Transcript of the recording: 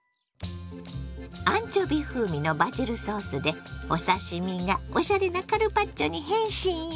アンチョビ風味のバジルソースでお刺身がおしゃれなカルパッチョに変身よ！